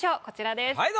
こちらです。